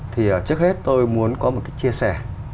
trước hết tôi muốn có một chia sẻ